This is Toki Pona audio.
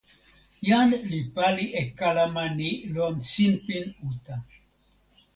jan li pali e kalama ni lon sinpin uta.